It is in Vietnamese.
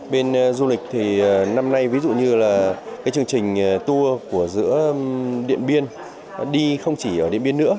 bên du lịch thì năm nay ví dụ như là cái chương trình tour của giữa điện biên đi không chỉ ở điện biên nữa